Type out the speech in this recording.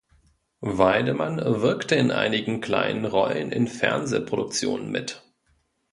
Weidemann wirkte in einigen kleinen Rollen in Fernsehproduktionen mit.